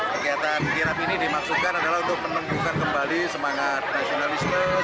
kegiatan kirap ini dimaksudkan adalah untuk menumbuhkan kembali semangat nasionalisme